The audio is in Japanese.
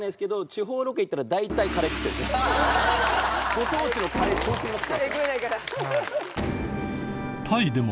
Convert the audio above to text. ご当地のカレー食いまくって。